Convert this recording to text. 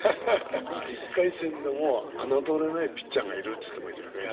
１回戦でも侮れないピッチャーがいるって言ってましたね。